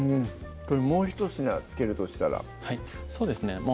もうひと品付けるとしたらはいそうですね